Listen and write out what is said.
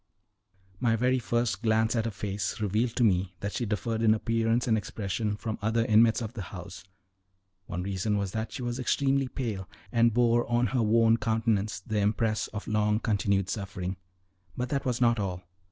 My very first glance at her face revealed to me that she differed in appearance and expression from other inmates of the house: one reason was that she was extremely pale, and bore on her worn countenance the impress of long continued suffering; but that was not all.